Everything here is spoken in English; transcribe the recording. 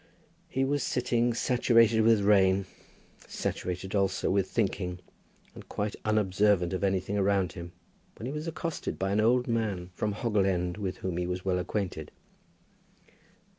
He was sitting saturated with rain, saturated also with thinking, and quite unobservant of anything around him, when he was accosted by an old man from Hoggle End, with whom he was well acquainted.